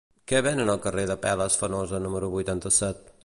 Què venen al carrer d'Apel·les Fenosa número vuitanta-set?